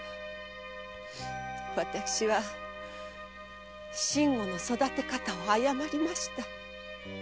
私は信吾の育て方を誤りました。